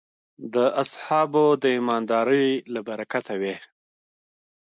د اصحابو د ایماندارۍ له برکته وې.